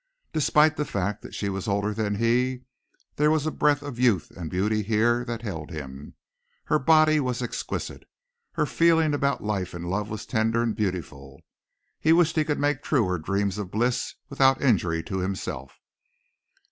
Despite the fact that she was older than he, there was a breath of youth and beauty here that held him. Her body was exquisite. Her feeling about life and love was tender and beautiful. He wished he could make true her dreams of bliss without injury to himself.